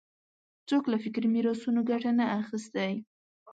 څوک له فکري میراثونو ګټه نه اخیستی